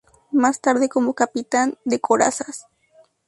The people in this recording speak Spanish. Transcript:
Más tarde como Capitán de Corazas.